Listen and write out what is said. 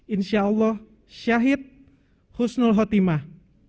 insyaallah syahid husnul khotimah